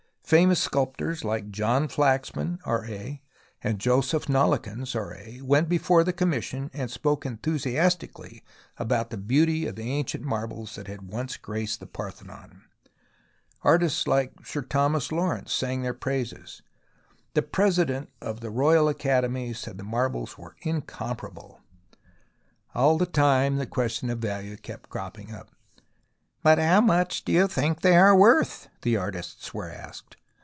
Famous sculptors like John Flaxman, R.A., and Joseph Nollekins, R.A., went before the Commission and spoke enthusiastically about the beauty of the ancient marbles that had once graced the Parthenon ; artists like Sir Thomas Lawrence sang their praises ; the President of the Royal Academy said the marbles were incomparable. All the time the question of value kept cropping up. " How much do you think they are worth ?" the artists were asked.